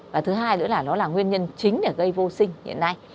và thứ hai nữa là nó là nguyên nhân chính để gây vô sinh hiện nay